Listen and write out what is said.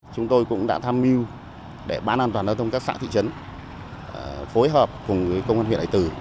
chúng tôi cũng đã tham mưu để ban an toàn giao thông các xã thị trấn phối hợp cùng công an huyện hải từ